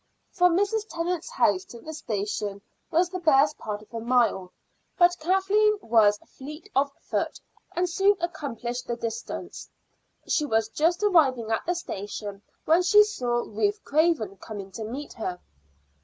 From Mrs. Tennant's house to the station was the best part of a mile, but Kathleen was fleet of foot and soon accomplished the distance. She was just arriving at the station when she saw Ruth Craven coming to meet her.